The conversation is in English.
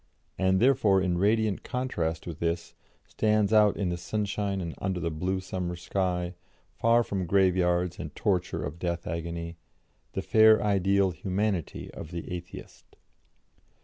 And, therefore, in radiant contrast with this, stands out in the sunshine and under the blue summer sky, far from graveyards and torture of death agony, the fair ideal Humanity of the Atheist.